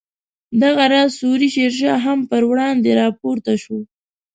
دغه راز سوري شیر شاه هم پر وړاندې راپورته شو.